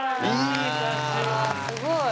すごい。